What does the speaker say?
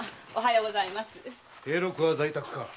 兵六は在宅か？